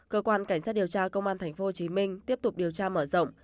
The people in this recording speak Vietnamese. cơ quan cảnh sát điều tra công an tp hcm tiếp tục điều tra mở rộng